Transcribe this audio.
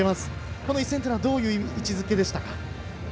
この一戦はどういう位置づけでしたか？